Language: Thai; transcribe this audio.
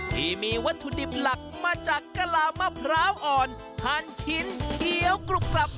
ที่มีวัตถุดิบหลักมาจากกะลามะพร้าวอ่อนพันชิ้นเขียวกรุบกลับ